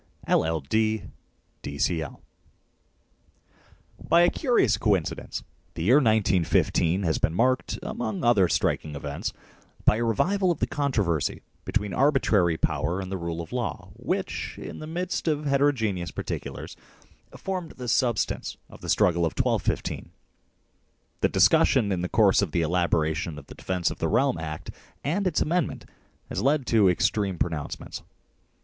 LL.D., D.C.L. BY a curious coincidence the year 1915 has been marked, among other striking events, by a revival of the controversy between arbitrary power and the rule of law which, in the midst of heterogeneous particulars, formed the substance of the struggle of 1215. The discussion in the course of the elaboration of the Defence of the Realm Act and its amendment has led to extreme pronouncements.